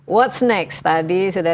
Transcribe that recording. what's next tadi sudah